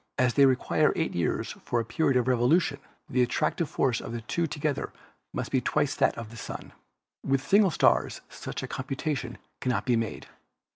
As they require 8 years for a period of revolution, the attractive force of the two to gether must be twice that of the Sun. With single stars such a computation cannot be made.